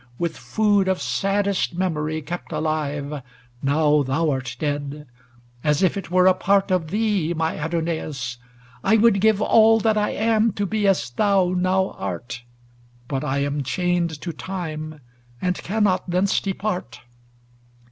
With food of saddest memory kept alive, Now thou art dead, as if it were a part Of thee, my Adonais ! I would give All that I am to be as thou now art ! But I am chained to Time, and cannot thence depart